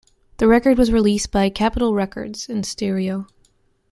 The record was released by Capitol Records in stereo.